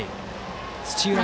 土浦